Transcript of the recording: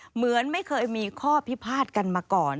เหมือนไม่เคยมีข้อพิพาทกันมาก่อน